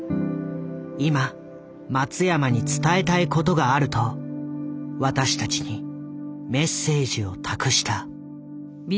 今松山に伝えたいことがあると私たちにメッセージを託した。